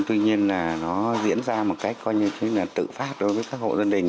tuy nhiên là nó diễn ra một cách coi như thứ là tự phát đối với các hộ gia đình